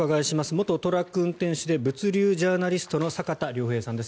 元トラック運転手で物流ジャーナリストの坂田良平さんです。